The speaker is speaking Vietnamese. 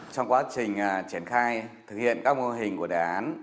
trong quá trình triển khai thực hiện các mô hình của đề án